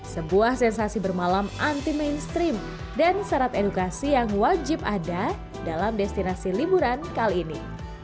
sebuah sensasi bermalam anti mainstream dan syarat edukasi yang wajib ada dalam destinasi liburan kali ini